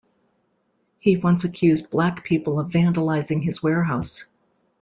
He once accused black people of vandalizing his warehouse.